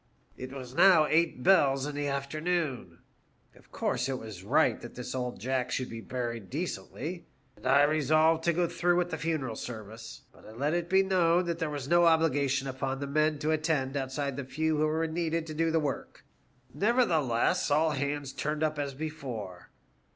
" It was now eight bells in the afternoon. Of course it was right that this old Jack should be buried decently, and I resolved to go through with the funeral service, but I let it be known that there was no obligation upon the men to attend outside the few who were needed to do the work. Nevertheless all hands turned up as before.